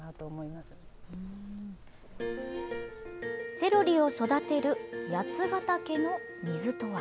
セロリを育てる八ヶ岳の水とは。